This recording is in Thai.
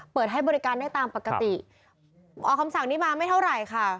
เปิดให้บริการได้ตามปกติออกคำสั่งนี้มาไม่เท่าไหร่ค่ะ